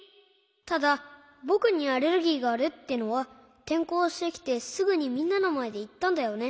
ただぼくにアレルギーがあるってのはてんこうしてきてすぐにみんなのまえでいったんだよね。